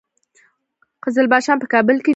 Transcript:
قزلباشان په کابل کې دي؟